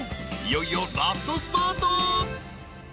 ［いよいよラストスパート］